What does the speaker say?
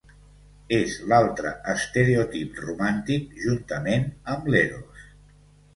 És l'altre estereotip romàntic, juntament amb l'eros.